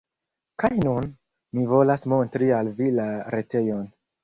Kaj nun, mi volas montri al vi la retejon!